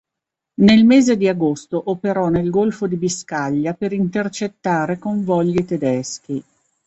Nel mese di agosto operò nel golfo di Biscaglia per intercettare convogli tedeschi.